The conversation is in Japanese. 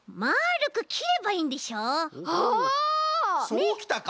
そうきたか！